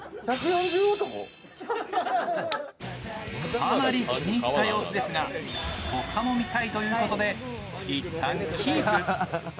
かなり気に入った様子ですが、他もみたいというとでいったんキープ。